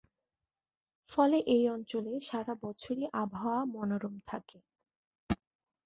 ফলে এই অঞ্চলে সারা বছরই আবহাওয়া মনোরম থাকে।